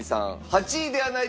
８位ではない？